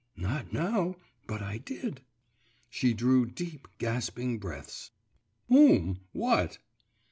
'Not now, but I did.' She drew deep, gasping breaths. 'Whom? what?